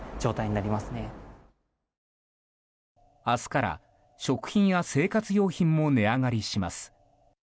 明日から食品や生活用品も値上がりします。